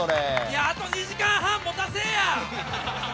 あと２時間半持たせぇや！